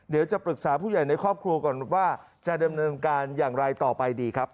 เดี๋ยวจะปรึกษาผู้ใหญ่ในครอบครัวก่อนว่าจะดำเนินการอย่างไรต่อไปดีครับ